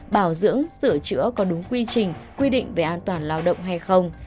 bảo dưỡng sửa chữa có đúng quy trình quy định về an toàn lao động hay không